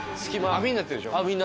網になってるでしょ？